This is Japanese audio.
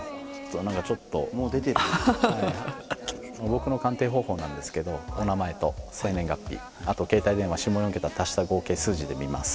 僕の鑑定方法なんですけどお名前と生年月日あと携帯電話下４桁足した合計数字で見ます。